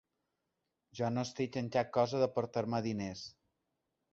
Jo no estic en cap cosa de portar-me diners.